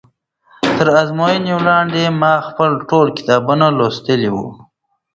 تر ازموینې وړاندې ما خپل ټول کتابونه لوستي وو.